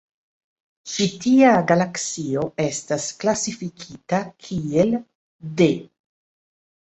Ĉi tia galaksio estas klasifikita kiel dE.